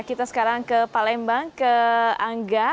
kita sekarang ke palembang ke angga